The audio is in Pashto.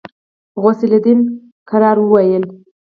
غوث الدين ورو وويل.